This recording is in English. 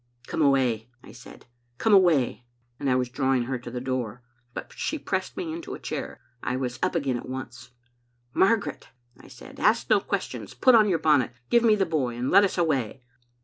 "*Come away,' I said, *come away,' and I was draw ing her to the door, but she pressed me into a chair. I was up again at once. "* Margaret,* I said, *ask no questions. Put on your bonnet, give me the boy, and let us away.